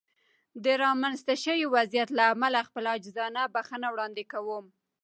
د رامنځته شوې وضعیت له امله خپله عاجزانه بښنه وړاندې کوم.